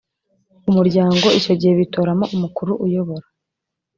umuryango icyo gihe bitoramo umukuru uyobora